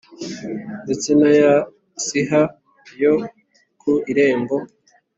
Ndetse na ya siha yo ku irembo